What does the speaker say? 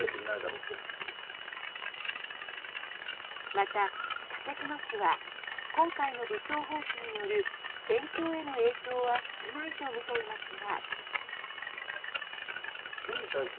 また、武隈氏は今回の武装蜂起による戦況への影響は少ないとみていますが。